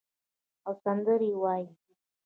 او سندرې وایې